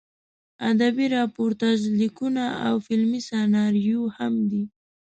ادبي راپورتاژ لیکونه او فلمي سناریو هم دي.